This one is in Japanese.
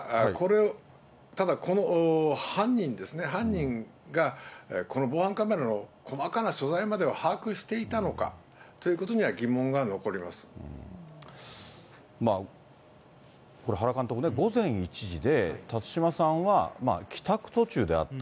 ただ、この犯人ですね、犯人が、この防犯カメラの細かな素材までは把握していたのかということにこれ、原監督ね、午前１時で、辰島さんは帰宅途中であった。